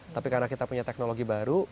tapi karena kita punya teknologi baru